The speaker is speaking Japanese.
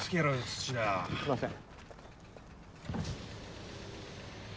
すいません。